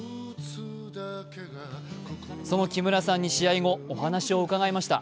その木村さんに試合後、お話を伺いました。